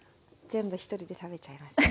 全部１人で食べちゃいますね。